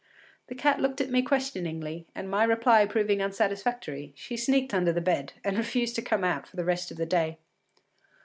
The cat looked at me questioningly, and my reply proving unsatisfactory, she sneaked under the bed, and refused to come out for the rest of the day.